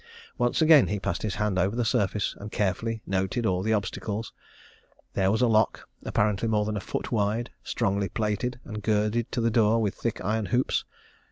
Once again he passed his hand over the surface, and carefully noted all the obstacles. There was a lock, apparently more than a foot wide, strongly plated, and girded to the door with thick iron hoops.